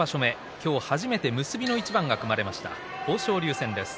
今日初めて結びの一番が組まれました、豊昇龍戦です。